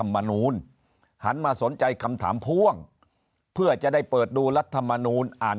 มนูลหันมาสนใจคำถามพ่วงเพื่อจะได้เปิดดูรัฐมนูลอ่าน